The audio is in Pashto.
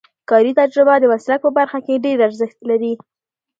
کاري تجربه د مسلک په برخه کې ډېر ارزښت لري.